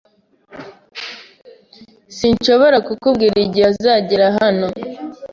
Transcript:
Sinshobora kukubwira igihe azagera hano.